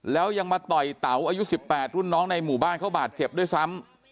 แล้วยังมาต่อยเต๋าอายุ๑๘รุ่นน้องในหมู่บ้านเขาบาดเจ็บด้วยซ้ำ